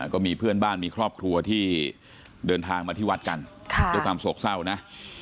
ก็มีเพื่อนบ้านมีครอบครัวที่เดินทางมาที่วัดกันด้วยความโศกเศร้านะ